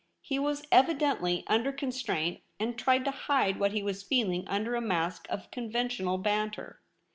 He was evidently under constraint, and tried to hide what he was feeling under a mask of conventional banter.